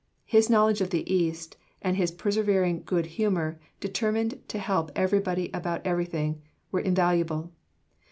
His knowledge of the East, and his persevering good humour, determined to help everybody about everything, were invaluable.